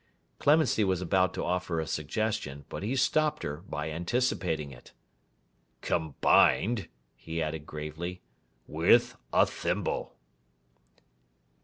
Clemency was about to offer a suggestion, but he stopped her by anticipating it. 'Com bined,' he added gravely, 'with a thimble.